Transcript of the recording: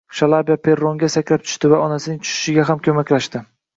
Shalabiya perronga sakrab tushdi va onasining tushishiga ham ko`maklashdi